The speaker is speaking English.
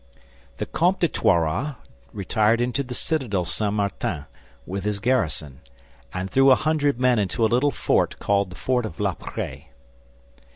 The Comte de Toiras retired into the citadel St. Martin with his garrison, and threw a hundred men into a little fort called the fort of La Prée.